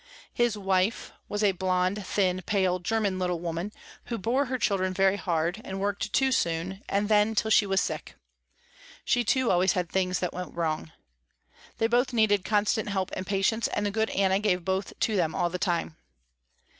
His wife was a blonde, thin, pale, german little woman, who bore her children very hard, and worked too soon, and then till she was sick. She too, always had things that went wrong. They both needed constant help and patience, and the good Anna gave both to them all the time.